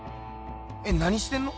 え何してんの？